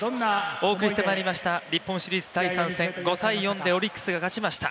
お送りしてまいりました日本シリーズ第３戦、５−４でオリックスが勝ちました。